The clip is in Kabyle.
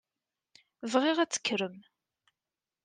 Bɣiɣ ad tekkrem.